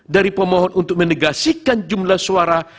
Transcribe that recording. dari pemohon untuk menegasikan jumlah suara